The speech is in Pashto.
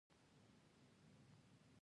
ولایتونه د افغانستان د کلتوري میراث برخه ده.